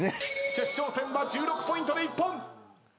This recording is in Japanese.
決勝戦は１６ポイントで一本！